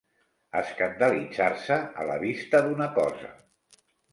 Escandalitzar-se a la vista d'una cosa.